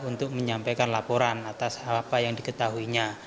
untuk menyampaikan laporan atas apa yang diketahuinya